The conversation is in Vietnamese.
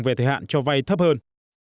về thời hạn cho vay thấp hơn